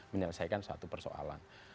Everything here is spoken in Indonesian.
menyelesaikan satu persoalan